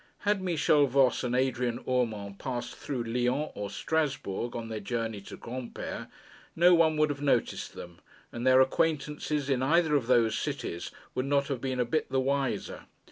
Had Michel Voss and Adrian Urmand passed through Lyons or Strasbourg on their journey to Granpere, no one would have noticed them, and their acquaintances in either of those cities would not have been a bit the wiser.